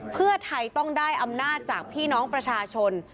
เพื่อไทยต้องได้อำนาจจากพี่น้องประชาชน